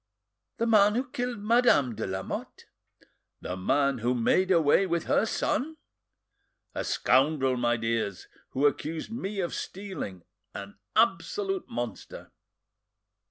"The man who killed Madame de Lamotte?" "The man who made away with her son?" "A scoundrel, my dears, who accused me of stealing, an absolute monster!"